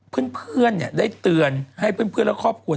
เพื่อนได้เตือนให้เพื่อนและครอบครัว